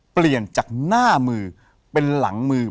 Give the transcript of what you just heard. เปลี่ยนจากหน้ามือเป็นหลังมือ